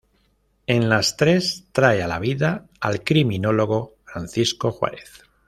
En las tres, trae a la vida al criminólogo Francisco Juárez.